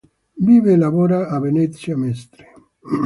Vive e lavora a Venezia-Mestre.